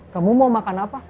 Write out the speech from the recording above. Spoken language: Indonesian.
kamu mau makan apa